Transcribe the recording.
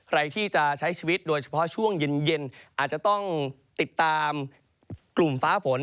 ใครที่จะใช้ชีวิตโดยเฉพาะช่วงเย็นอาจจะต้องติดตามกลุ่มฟ้าฝน